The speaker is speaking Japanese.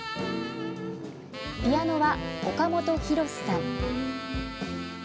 ピアノは岡本洋さん。